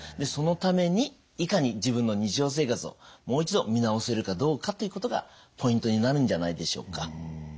そのためにいかに自分の日常生活をもう一度見直せるかどうかということがポイントになるんじゃないでしょうか。